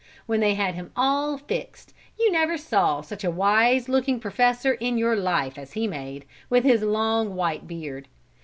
When they had him all fixed, you never saw such a wise looking professor in your life as he made, with his long, white beard.